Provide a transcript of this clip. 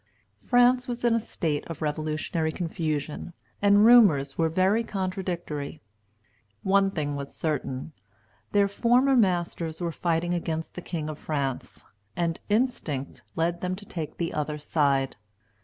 France was in a state of revolutionary confusion, and rumors were very contradictory. One thing was certain, their former masters were fighting against the king of France; and instinct led them to take the other side.